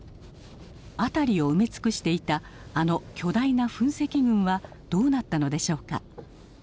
辺りを埋め尽くしていたあの巨大な噴石群はどうなったのでしょうか。